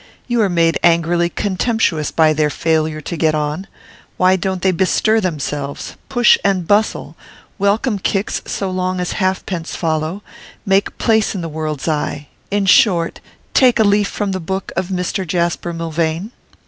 You are made angrily contemptuous by their failure to get on; why don't they bestir themselves, push and bustle, welcome kicks so long as halfpence follow, make place in the world's eye in short, take a leaf from the book of Mr Jasper Milvain?